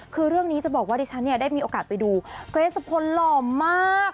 คือเรื่องนี้จะบอกว่าดิฉันเนี่ยได้มีโอกาสไปดูเกรสพลหล่อมาก